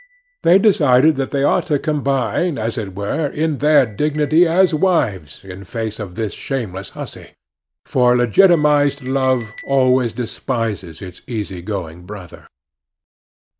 They decided that they ought to combine, as it were, in their dignity as wives in face of this shameless hussy; for legitimized love always despises its easygoing brother.